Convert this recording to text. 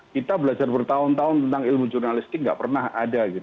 kita belajar bertahun tahun tentang ilmu jurnalistik nggak pernah ada